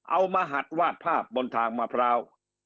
มาหัดวาดภาพบนทางมะพร้าว